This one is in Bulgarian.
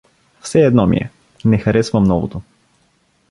— Все едно ми е: не харесвам новото.